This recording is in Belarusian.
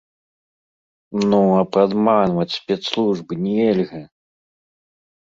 Ну, а падманваць спецслужбы нельга!